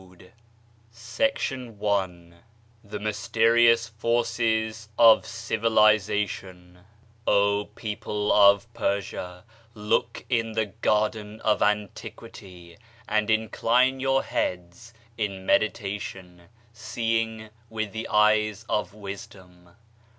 10 Digitized by Google THE MYSTERIOUS FORCES OF CIVILIZATION O People op Persia, look in the garden of antiquity, and incline your heads in medi tation, seeing with the eyes of wisdom.